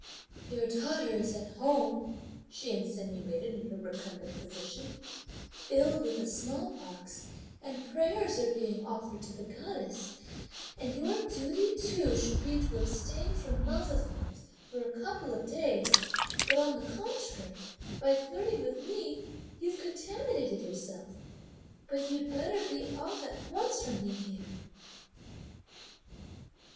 "Your daughter is at home," she insinuated in her recumbent position, "ill with the small pox, and prayers are being offered to the goddess; and your duty too should be to abstain from love affairs for a couple of days, but on the contrary, by flirting with me, you've contaminated yourself! but, you'd better be off at once from me here!"